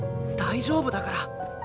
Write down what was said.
大丈夫だから。